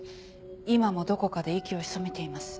今もどこかで息を潜めています。